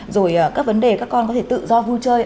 rồi các vấn đề các con có thể tự do vui chơi